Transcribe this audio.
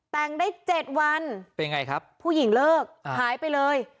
แต่งได้๗วันเป็นไงครับผู้หญิงเลิกหายไปเลย